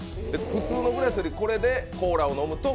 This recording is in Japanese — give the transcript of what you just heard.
普通のグラスより、これでコーラを飲むと